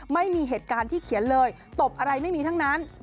ไม่มีเหตุการณ์ที่เขียนเลยตบอะไรไม่มีทั้งนั้น